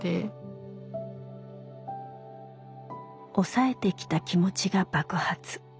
抑えてきた気持ちが爆発。